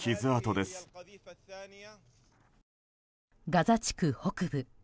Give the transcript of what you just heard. ガザ地区北部。